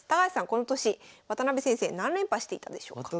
この年渡辺先生何連覇していたでしょうか。